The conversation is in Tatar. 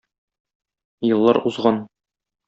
Еллар узган.